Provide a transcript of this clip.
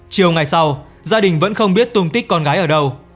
chiều ngày sau gia đình vẫn không biết tung tích con gái ở đâu